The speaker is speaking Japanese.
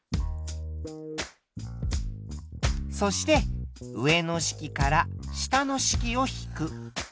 そして上の式から下の式を引く。